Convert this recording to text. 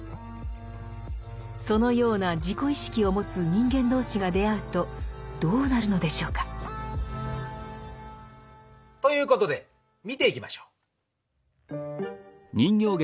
そのような自己意識を持つ人間同士が出会うとどうなるのでしょうか？ということで見ていきましょう。